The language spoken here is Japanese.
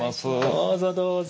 どうぞどうぞ。